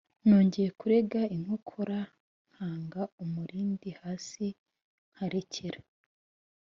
nongeye kurega inkokora nkanga umulindi hasi, ndarekera.